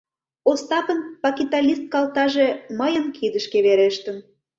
Остапын пакиталист калтаже мыйын кидышке верештын.